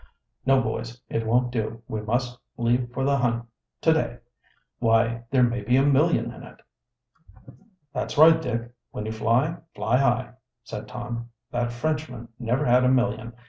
"No, boys, it won't do we must leave for the hunt to day. Why, there may be a million in it." "That's right, Dick; when you fly, fly high," said Tom. "That Frenchman never had a million.